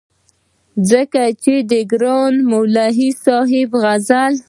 ځکه چې د ګران صاحب غزل